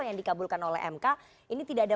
yang dikabulkan oleh mk ini tidak ada